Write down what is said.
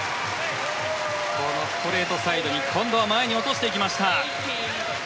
ストレートサイドに今度は前に落としていきました。